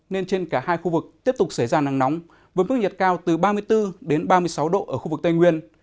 nên trên cả hai khu vực tiếp tục xảy ra nắng nóng với mức nhiệt cao từ ba mươi bốn đến ba mươi sáu độ ở khu vực tây nguyên